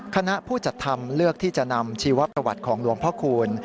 คณะผู้จัดทำเลือกที่จะนำชีวประวัติของหลวงพ่อคูณ